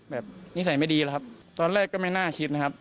นิสัยไม่ดีแล้วครับตอนแรกก็ไม่น่าคิดนะครับ